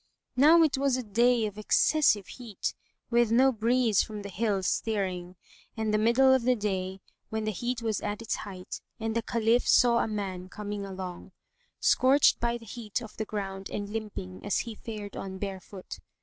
Now it was a day of excessive heat, with no breeze from the hills stirring, and the middle of the day, when the heat was at its height, and the Caliph saw a man coming along, scorched by the heat of the ground and limping, as he fared on barefoot.